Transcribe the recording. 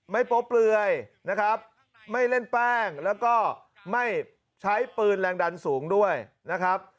ไม่โปเผลยไม่เล่นแป้งแล้วก็ไม่ใช้ปืนแรงดันสูงด้วยนะครับ